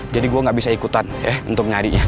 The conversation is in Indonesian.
jadi gue nggak bisa ikutan ya untuk nyari ya